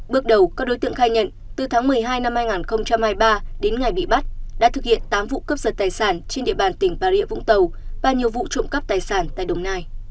bước đầu các đối tượng khai nhận từ tháng một mươi hai năm hai nghìn hai mươi ba đến ngày bị bắt đã thực hiện tám vụ cướp giật tài sản trên địa bàn tỉnh bà rịa vũng tàu và nhiều vụ trộm cắp tài sản tại đồng nai